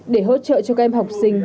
để hỗ trợ cho các em học sinh